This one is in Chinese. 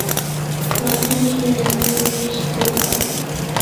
喜欢吞噬人类的美食界怪物。